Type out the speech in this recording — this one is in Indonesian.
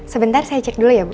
sebentar saya cek dulu ya bu